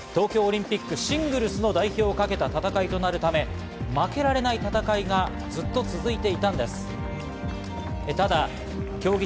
２０１９年東京オリンピックシングルスの代表を懸けた戦いとなるため、負けられない戦いがずっと続いていたんです。